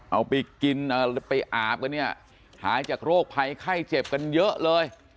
เอาไปกินไปอาบกันเนี่ยหายจากโรคภัยไข้เจ็บกันเยอะเลย